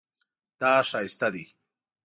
دا ښایسته دی